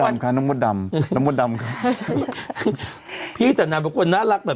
น้องมดดำค่ะน้องมดดำน้องมดดำค่ะพี่แต่นางเป็นน่ารักแบบ